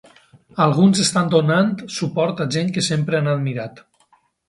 Alguns estan donant suport a gent que sempre han admirat.